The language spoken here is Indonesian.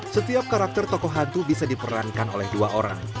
setiap karakter tokoh hantu bisa diperankan oleh dua orang